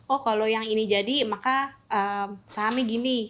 oh kalau yang ini jadi maka sahamnya gini